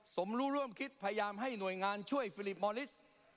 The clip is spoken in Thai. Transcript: สมรู้ร่วมคิดพยายามให้หน่วยงานช่วยฟิลิปมอลิส